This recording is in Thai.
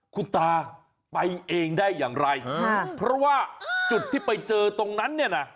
คุณตาไปเองได้อย่างไรค่ะเพราะว่าจุดที่ไปเจอตรงนั้นเนี่ยนะ